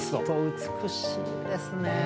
美しいですね。